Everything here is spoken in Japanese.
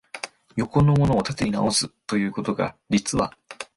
横のものを縦に直す、ということが、実は、